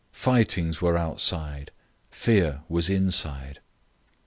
Fightings were outside. Fear was inside.